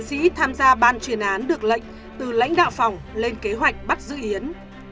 các chiến sĩ tham gia ban truyền án được lệnh từ lãnh đạo phòng lên kế hoạch bắt giữ yến